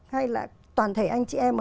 hay là toàn thể anh chị em